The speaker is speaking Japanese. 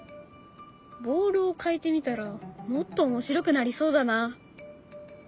ボールを変えてみたらもっと面白くなりそうだな。